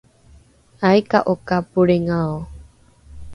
aika’o ka polringao?